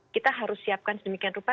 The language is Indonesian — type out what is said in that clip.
kita harus siapkan sedemikian rupa